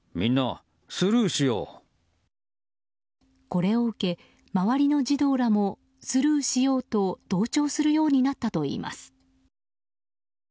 これを受け周りの児童らも、スルーしようと同調するようになったといいます。